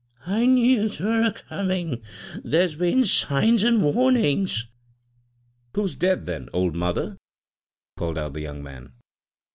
"I knew 'twere a coming. There's been signs an' warnings." "Who's dead, then, old Mother?" called out the young man.